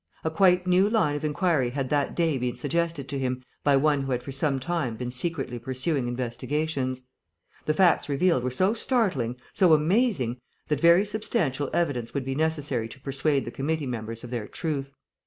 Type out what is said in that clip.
A quite new line of inquiry had that day been suggested to him by one who had for some time been secretly pursuing investigations. The facts revealed were so startling, so amazing, that very substantial evidence would be necessary to persuade committee members of their truth.